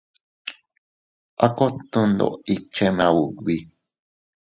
A kot nondoʼo ikche maubi.